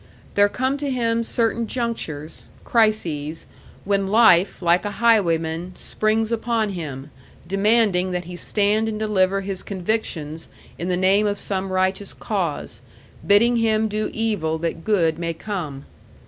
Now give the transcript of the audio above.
There come to him certain junctures, crises, when life, like a highwayman, springs upon him, demanding that he stand and deliver his convictions in the name of some righteous cause, bidding him do evil that good may come.